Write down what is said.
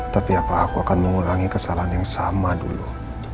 tapi apa aku akan mengulangi kesalahan yang sama dulu